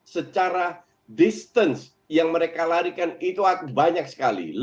secara distance yang mereka larikan itu banyak sekali